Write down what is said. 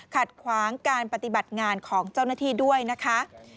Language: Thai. ขัดขวางการปฏิบัติงานของเจ้าหน้าที่ด้วยนะคะ